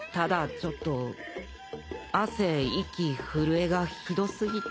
ちょっと息震えがひど過ぎて。